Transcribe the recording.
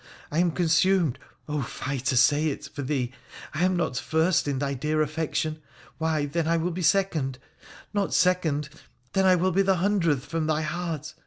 I am consumed (oh ! fie to say it) for thee. I am not first in thy dear affection — why, then, I will be second. Not second ! then I will be the hundredth from thy heart